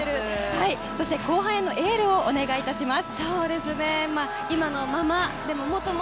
そして、後半へのエールをお願いします。